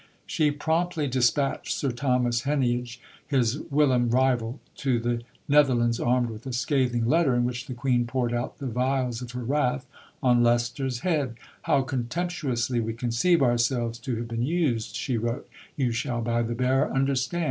She promptly despatched Sir Thomas Heneage, his whilom rival, to the Netherlands armed with a scathing letter in which the Queen poured out the vials of her wrath on Leicester's head. "How contemptuously we conceive ourselves to have been used," she wrote, "you shall by the bearer understand.